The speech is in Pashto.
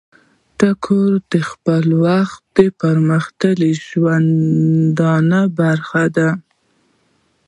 ټاګور د خپل وخت د پرمختللی ژوندانه برخمن وو.